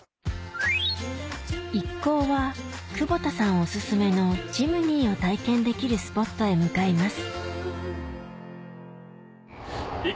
一行は久保田さんおすすめのジムニーを体験できるスポットへ向かいます